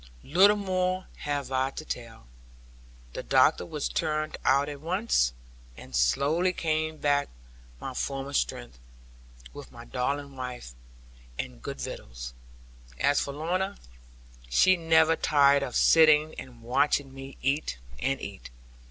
Little more have I to tell. The doctor was turned out at once; and slowly came back my former strength, with a darling wife, and good victuals. As for Lorna, she never tired of sitting and watching me eat and eat.